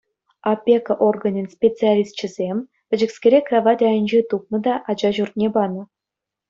Опека органӗн специалисчӗсем пӗчӗкскере кравать айӗнче тупнӑ та ача ҫуртне панӑ.